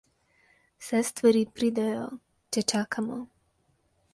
Vse stvari pridejo, če čakamo.